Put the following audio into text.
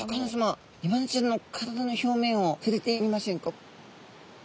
イワナちゃんの体の表面をふれてみませんか？